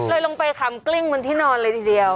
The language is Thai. เลยลงไปขำกลิ้งเหมือนที่นอนเลยทีเดียว